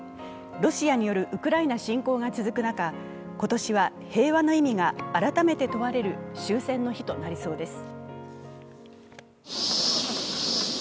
ロシアによるウクライナ侵攻が続く中、今年は平和の意味が改めて問われる終戦の日となりそうです。